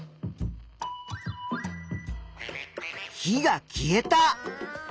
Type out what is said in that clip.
火が消えた。